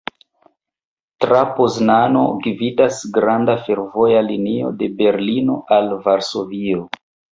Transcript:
Tra Poznano gvidas grava fervoja linio de Berlino al Varsovio.